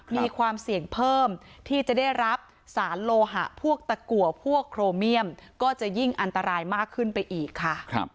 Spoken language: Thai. มีความเสี่ยงเพิ่มที่จะได้รับสารโลหะพวกตะกัวพวกโครเมียมก็จะยิ่งอันตรายมากขึ้นไปอีกค่ะ